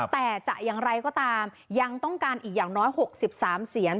แต่จะอย่างไรก็ตามยังต้องการอีกอย่างน้อย๖๓เสียง